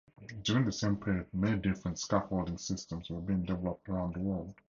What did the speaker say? During the same period many different scaffolding systems were being developed around the world.